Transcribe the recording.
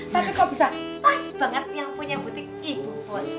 tapi kok bisa pas banget yang punya butik ibu pus